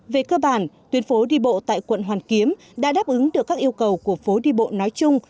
về cơ bản tuyến phố đi bộ tại quận hoàn kiếm đã đáp ứng được các yêu cầu của phố đi bộ nói chung